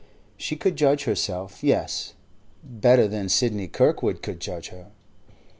She could judge herself, yes, better than Sidney Kirkwood could judge her.